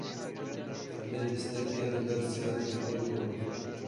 Em ê bîstekê li ber siya xênî rûnin.